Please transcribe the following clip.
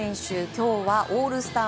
今日はオールスター